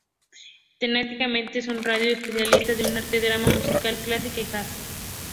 Temáticamente es una radio especializada en arte, drama, música clásica y jazz.